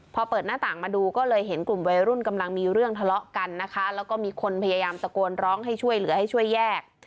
พอเปิดหน้าต่างมาดูก็เลยเห็นกลุ่มวัยรุ่นกำลังมีเรื่องทะเลาะกันนะคะแล้วก็มีคนพยายามตะโกนร้องให้ช่วยเหลือให้ช่วยแยก